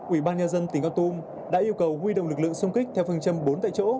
ủy ban nhà dân tỉnh quang tum đã yêu cầu huy động lực lượng xung kích theo phần châm bốn tại chỗ